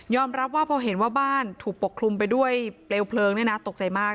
รับว่าพอเห็นว่าบ้านถูกปกคลุมไปด้วยเปลวเพลิงเนี่ยนะตกใจมาก